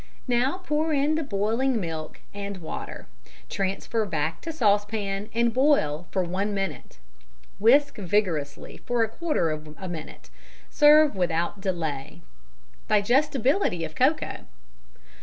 Now pour in the boiling milk and water. Transfer back to saucepan and boil for one minute. Whisk vigorously for a quarter of a minute. Serve without delay. _Digestibility of Cocoa.